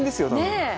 ねえ！